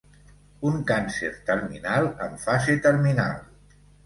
Un càncer terminal, en fase terminal.